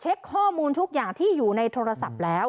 ข้อมูลทุกอย่างที่อยู่ในโทรศัพท์แล้ว